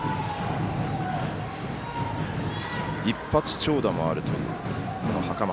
一発長打もあるという袴田。